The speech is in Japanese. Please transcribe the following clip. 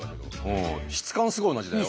質感すごい同じだよ。